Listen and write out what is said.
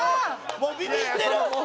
もうビビってる。